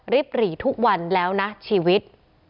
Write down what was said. หรี่ทุกวันแล้วนะชีวิต